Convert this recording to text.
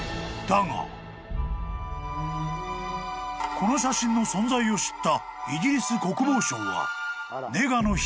［この写真の存在を知った］